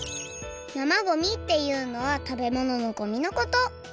生ごみっていうのは食べ物のごみのこと。